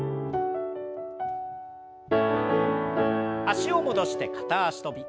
脚を戻して片脚跳び。